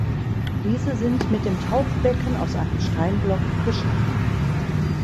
Diese sind mit dem Taufbecken aus einem Steinblock geschaffen.